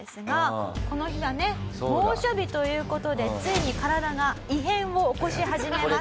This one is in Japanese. この日はね猛暑日という事でついに体が異変を起こし始めます。